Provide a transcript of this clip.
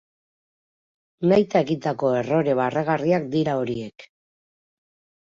Nahita egindako errore barregarriak dira horiek.